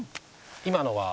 今のは？